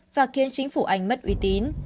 và khiến chính phủ anh mất uy tín